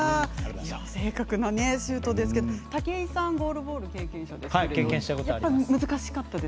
正確なシュートですけど武井さんゴールボール経験者ですけどやっぱり難しかったですか？